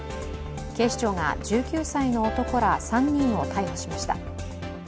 警視庁が１９歳の男ら３人を逮捕しました。